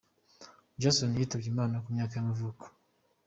Johnson yitabye Imana, ku myaka y’amavuko.